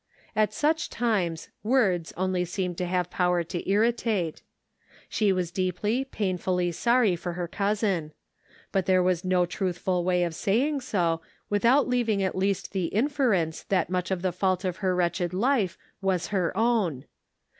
At such times words only seemed to have power to irritate. She was deeply, painfully sorry for her cousin ; but there was no truthful way of saying so, without leaving at least the inference that much of the fault of her wretched life was her own.